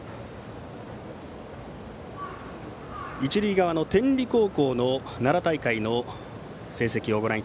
一塁側の天理高校の奈良大会の成績です。